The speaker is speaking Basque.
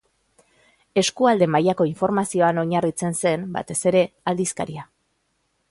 Eskualde-mailako informazioan oinarritzen zen, batez ere, aldizkaria.